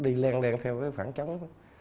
đi len len theo cái phản chống